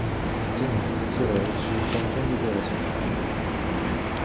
Tenez, c’est vrai, je suis une femme pleine de déraison.